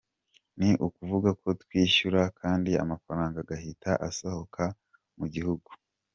Ni ukuvuga ko twishyura kandi amafaranga agahita asohokamu gihugu.